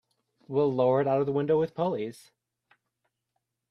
We'll lower it out of the window with pulleys.